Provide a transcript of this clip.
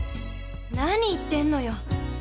何、言ってんのよ。